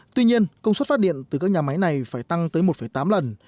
tuy nhiên công suất phát điện từ các nhà máy này phải tăng tới một tám lần